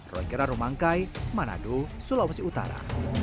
roy kira romangkai manado sulawesi utara